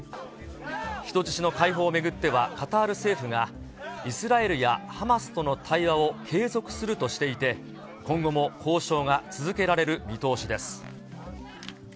人質の解放を巡っては、カタール政府が、イスラエルやハマスとの対話を継続するとしていて、今後も交渉が続けられる見通しです。